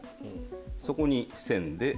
そこに線。